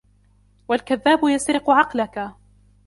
وَالْكَذَّابُ يَسْرِقُ عَقْلَك